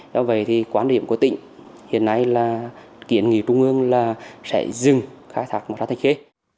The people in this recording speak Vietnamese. do vậy thì quan điểm của tỉnh hiện nay là kiến nghị trung ương là sẽ dừng khai thạc màu sắc thạch khê